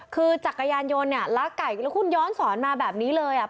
คือจักรยานยนต์เนี่ยลักไก่แล้วคุณย้อนสอนมาแบบนี้เลยอ่ะ